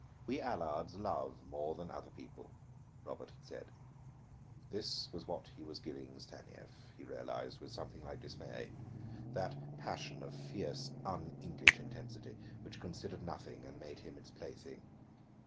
"We Allards love more than other people," Robert had said. This was what he was giving Stanief, he realized with something like dismay, that passion of fierce un English intensity which considered nothing and made him its plaything.